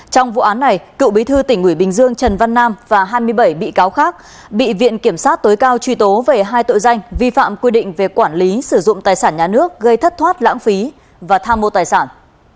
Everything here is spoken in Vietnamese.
trong vụ án này cựu bí thư tỉnh ủy bình dương trần văn nam và hai mươi bảy bị cáo khác bị viện kiểm sát tối cao truy tố về hai tội danh vi phạm quy định về quản lý sử dụng tài sản nhà nước gây thất thoát lãng phí và tham mô tài sản